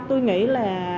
tôi nghĩ là